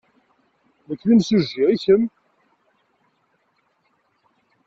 Nekk d imsujji. I kemm?